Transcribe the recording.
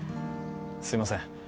すいません